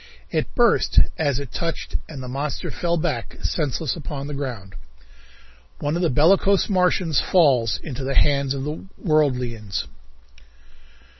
It burst as it touched and the monster fell back senseless upon the ground. One of the Bellicose Martians Falls Into the Hands of the Worldians.